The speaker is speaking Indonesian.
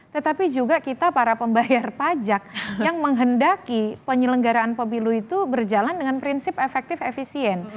tetapi juga kita para pembayar pajak yang menghendaki penyelenggaraan pemilu itu berjalan dengan prinsip efektif efisien